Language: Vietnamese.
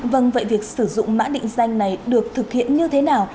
vâng vậy việc sử dụng mã định danh này được thực hiện như thế nào